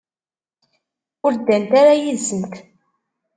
Ur ddant ara yid-sent.